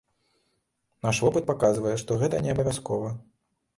Наш вопыт паказвае, што гэта неабавязкова.